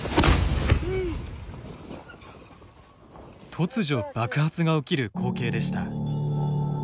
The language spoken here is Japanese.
突如爆発が起きる光景でした。